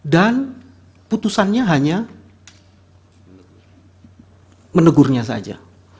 dan putusannya hanya menegurnya saja